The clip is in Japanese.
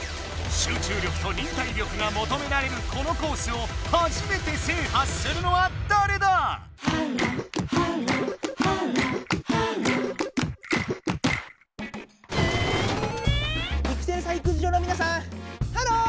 集中力と忍耐力がもとめられるこのコースを初めて制覇するのはだれだ⁉ピクセル採掘場のみなさんハロー！